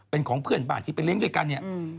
เป็นของเพื่อนบ้านที่ไปเลี้ยงด้วยกันเนี่ย